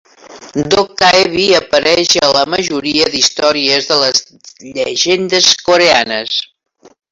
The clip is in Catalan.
Dokkaebi apareix a la majoria d'històries de les llegendes coreanes.